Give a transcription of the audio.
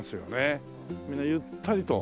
みんなゆったりと。